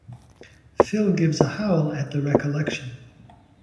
Phil gives a howl at the recollection.